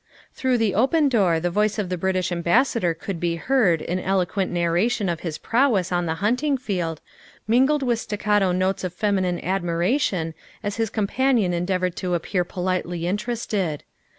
Through the open door the voice of the British Am bassador could be heard in eloquent narration of his prowess on the hunting field, mingled with staccato notes of feminine admiration as his companion endeav ored to appear politely interested.